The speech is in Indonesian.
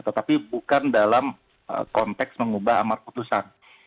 tetapi bukan dalam konteks mengubah amar putusan